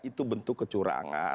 itu bentuk kecurangan